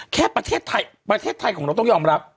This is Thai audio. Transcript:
แค่ประเทศไทยประเทศไทยของเราต้องยอมรับ